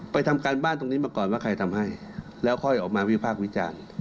ทำการบ้านตรงนี้มาก่อนว่าใครทำให้แล้วค่อยออกมาวิพากษ์วิจารณ์